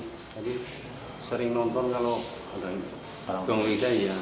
tapi sering nonton kalau ada yang mengiksa ya